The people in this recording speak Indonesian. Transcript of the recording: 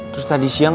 terus tadi siang